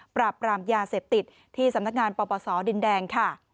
ปราบปรามยาเสพติดที่สำนักงานปปศดินแดงค่ะ